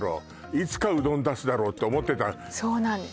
いつかうどん出すだろうって思ってたそうなんです